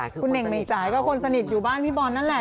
คุณเน่งจ่ายก็คนสนิทอยู่บ้านพี่บอลนั่นแหละ